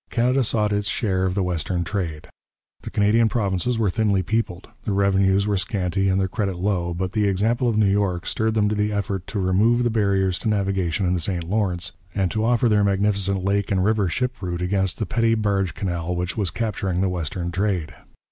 Canada sought its share of the western trade. The Canadian provinces were thinly peopled, their revenues were scanty and their credit low, but the example of New York stirred them to the effort to remove the barriers to navigation in the St Lawrence, and to offer their magnificent lake and river ship route against the petty barge canal which was capturing the western trade.